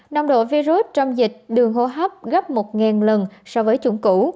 nồng độ virus trong dịch đường hô hấp gấp một lần so với chủng cũ